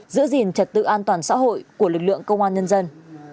giữ gìn trật tự an toàn xã hội của lực lượng công an nhân dân